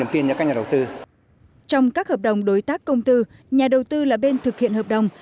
trong các hợp đồng đối tác công tư nhà đầu tư là bên thực hiện hợp đồng